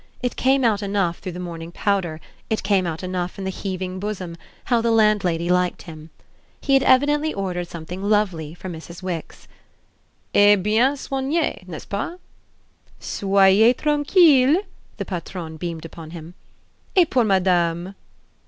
It came out enough through the morning powder, it came out enough in the heaving bosom, how the landlady liked him. He had evidently ordered something lovely for Mrs. Wix. "Et bien soigné, n'est ce pas?" "Soyez tranquille" the patronne beamed upon him. _"Et pour Madame?"